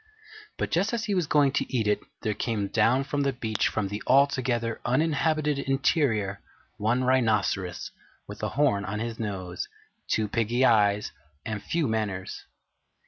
But just as he was going to eat it there came down to the beach from the Altogether Uninhabited Interior one Rhinoceros with a horn on his nose, two piggy eyes, and few manners.